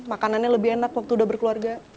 makanannya lebih enak waktu udah berkeluarga